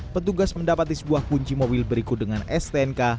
petugas mendapati sebuah kunci mobil berikut dengan stnk